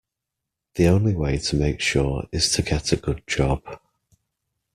The only way to make sure is to get a good job